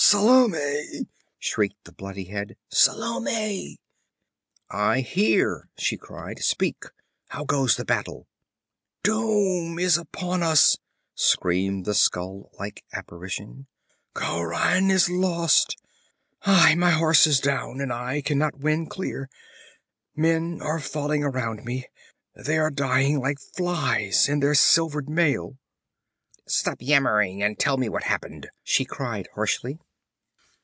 'Salome!' shrieked the bloody head. 'Salome!' 'I hear!' she cried. 'Speak! How goes the battle?' 'Doom is upon us!' screamed the skull like apparition. 'Khauran is lost! Aie, my horse is down and I can not win clear! Men are falling around me! They are dying like flies, in their silvered mail!' 'Stop yammering and tell me what happened!' she cried harshly.